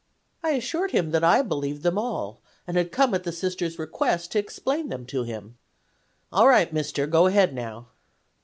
"I assured him that I believed them all and had come at the Sister's request to explain them to him. "'All right, Mister, go ahead now.